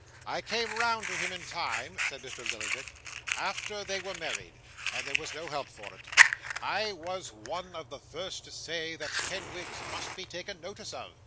'I came round to him in time,' said Mr. Lillyvick. 'After they were married, and there was no help for it, I was one of the first to say that Kenwigs must be taken notice of.